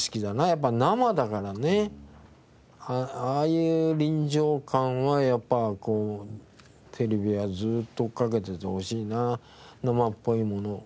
やっぱ生だからねああいう臨場感はやっぱこうテレビはずーっと追っかけててほしいな生っぽいものを。